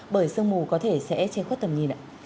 bởi sương mù có thể sẽ che khuất tầm nhìn ạ